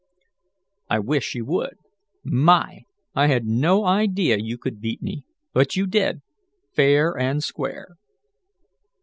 "I wish you would. My! I had no idea you could beat me, but you did fair and square."